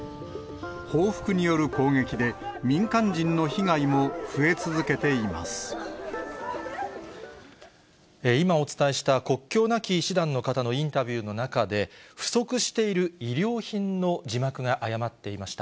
報復による攻撃で、今お伝えした、国境なき医師団の方のインタビューの中で、不足している医療品の字幕が誤っていました。